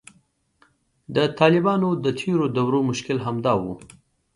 د طالبانو د تیر دور مشکل همدا و